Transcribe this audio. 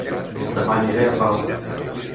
Dema aniré a Pau